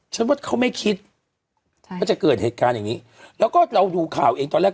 ฉันว่าเขาไม่คิดใช่ว่าจะเกิดเหตุการณ์อย่างนี้แล้วก็เราดูข่าวเองตอนแรก